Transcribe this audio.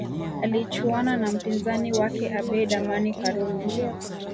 Akichuana na mpinzani wake Abeid Amani Karume